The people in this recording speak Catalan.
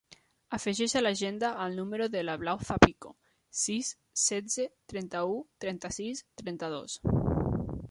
Afegeix a l'agenda el número de la Blau Zapico: sis, setze, trenta-u, trenta-sis, trenta-dos.